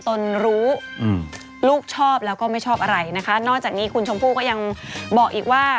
ตนรู้อืมลูกชอบแล้วก็ไม่ชอบอะไรนะคะนอกจากนี้คุณชมพู่ก็ยังบอกอีกว่า